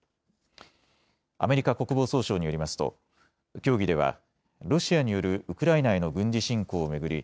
アメリカ国防総省によりますと協議ではロシアによるウクライナへの軍事侵攻を巡り